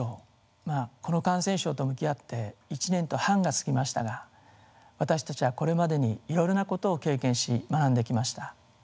まあこの感染症と向き合って１年と半が過ぎましたが私たちはこれまでにいろいろなことを経験し学んできました。